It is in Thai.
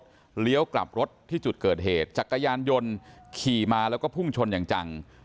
ก็เลี้ยวกลับรถที่จุดเกิดเหตุจักรยานยนต์ขี่มาแล้วก็พุ่งชนอย่างจัง